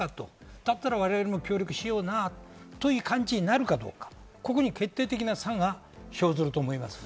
だったら我々も協力しような！という感じになるか、そこに決定的な差が生じると思いますね。